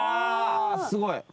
すごい。